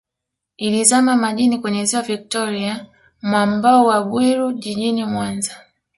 Ilizama majini kwenye Ziwa Victoria mwambao wa Bwiru Jijini Mwanza